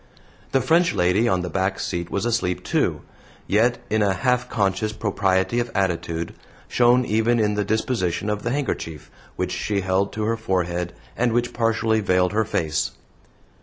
The French lady on the back seat was asleep, too, yet in a half conscious propriety of attitude, shown even in the disposition of the handkerchief which she held to her forehead and which partially veiled her face.